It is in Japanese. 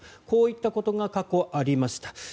こういったことが過去ありました。